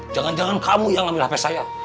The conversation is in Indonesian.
jangan jangan kamu yang ambil hp saya